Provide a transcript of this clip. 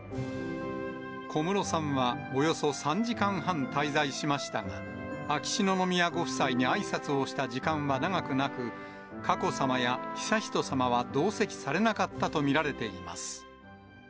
小室さんはおよそ３時間半滞在しましたが、秋篠宮ご夫妻にあいさつをした時間は長くなく、佳子さまや悠仁さまは同席されなかったと見られています。